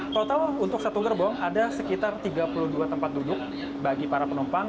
total untuk satu gerbong ada sekitar tiga puluh dua tempat duduk bagi para penumpang